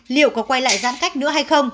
liệu có quay lại giãn cách nữa hay không